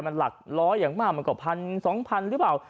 มันหลักร้อยอย่างมากมันกว่า๑๐๐๐๒๐๐๐บาทหรือเปล่า